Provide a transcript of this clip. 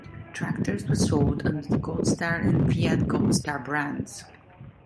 Tractors were sold under the GoldStar and Fiat-GoldStar brands.